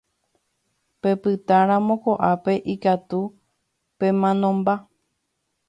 Pepytáramo ko'ápe ikatu pemanomba.